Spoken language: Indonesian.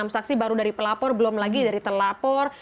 enam saksi baru dari pelapor belum lagi dari telapor